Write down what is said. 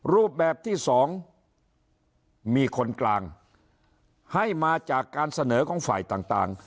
รูปแบบที่สองมีคนกลางให้มาจากการเสนอของฝ่ายต่าง